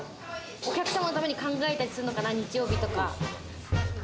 お客さんのために考えたりするのかな、日曜日とか。